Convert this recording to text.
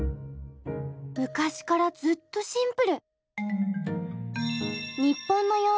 昔からずっとシンプル。